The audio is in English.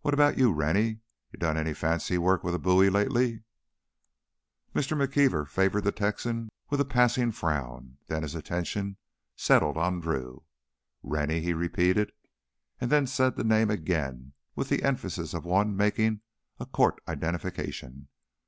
What about you, Rennie? You done any fancy work with a bowie lately?" Mr. McKeever favored the Texan with a passing frown; then his attention settled on Drew. "Rennie," he repeated, and then said the name again with the emphasis of one making a court identification.